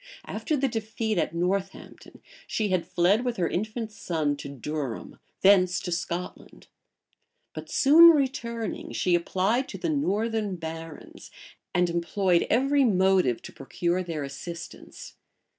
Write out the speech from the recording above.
After the defeat at Northampton, she had fled with her infant son to Durham, thence to Scotland; but soon returning, she applied to the northern barons, and employed every motive to procure their assistance.